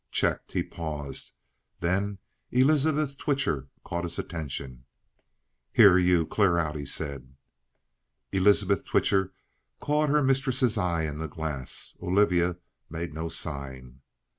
Checked, he paused. Then Elizabeth Twitcher caught his attention. "Here: you clear out!" he said. Elizabeth Twitcher caught her mistress's eye in the glass. Olivia made no sign.